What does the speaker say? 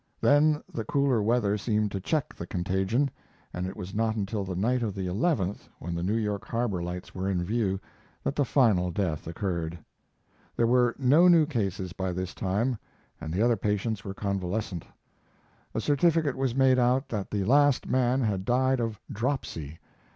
Then the cooler weather seemed to check the contagion, and it was not until the night of the 11th, when the New York harbor lights were in view, that the final death occurred. There were no new cases by this time, and the other patients were convalescent. A certificate was made out that the last man had died of "dropsy."